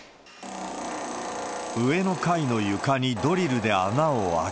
上の階の床にドリルで穴を開け。